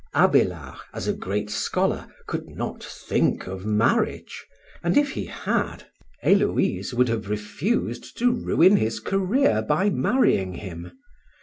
Abélard, as a great scholar, could not think of marriage; and if he had, Héloïse would have refused to ruin his career by marrying him.